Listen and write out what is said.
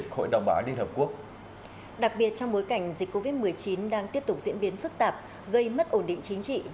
cảm ơn các bạn đã theo dõi